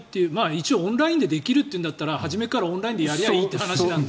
一応、オンラインでできるっていうんだったら初めからオンラインでやりゃいいという話なので。